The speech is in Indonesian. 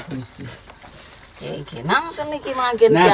karena saya tidak tahu apa yang terjadi